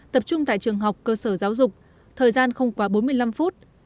tập trung tại trường học cơ sở giáo dục thời gian không quá bốn mươi năm phút